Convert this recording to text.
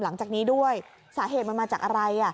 หลังจากนี้ด้วยสาเหตุมันมาจากอะไร